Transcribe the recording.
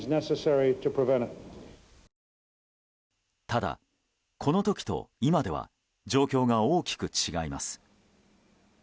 ただ、この時と今では状況が大きく違います。